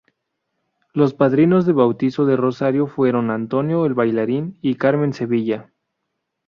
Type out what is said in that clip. Los padrinos de bautismo de Rosario fueron Antonio el bailarín y Carmen Sevilla.